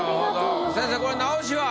先生これ直しは？